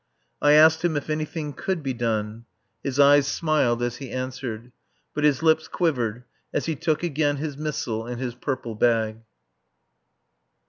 I asked him if anything could be done. His eyes smiled as he answered. But his lips quivered as he took again his missal and his purple bag.